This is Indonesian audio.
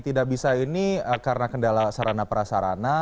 tidak bisa ini karena kendala sarana prasarana